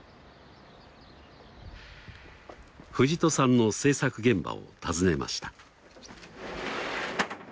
藤戸さんの制作現場を訪ねました。